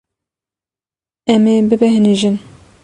Em ê bibêhnijin.